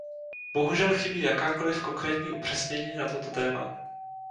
Bohužel chybí jakákoliv konkrétní upřesnění na toto téma.